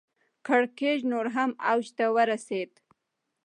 کړکېچ نور هم اوج ته ورسېد.